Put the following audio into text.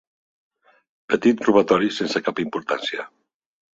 Petit robatori sense cap importància.